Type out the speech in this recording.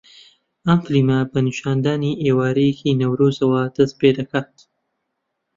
ئەم فیلمە بە نیشاندانی ئێوارەیەکی نەورۆزەوە دەست پێدەکات